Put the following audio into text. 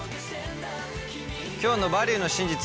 今日の「バリューの真実」